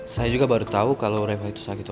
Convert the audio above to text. saya juga baru tahu kalau reva itu sakit